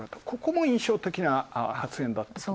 ここも印象的な発言だと。